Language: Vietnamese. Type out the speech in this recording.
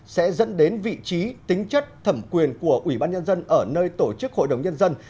sẽ dẫn đến vị trí tính chất thẩm quyền của ủy ban nhân dân ở nơi tổ chức hội đồng nhân dân